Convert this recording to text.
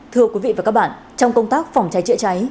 thưa quý vị và các bạn trong công tác phòng cháy chữa cháy